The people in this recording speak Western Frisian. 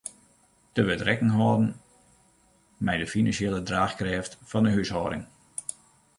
Der wurdt rekken holden mei de finansjele draachkrêft fan 'e húshâlding.